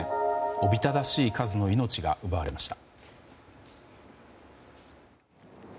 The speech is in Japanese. おびただしい数の命が奪われました。